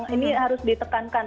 ini harus ditekankan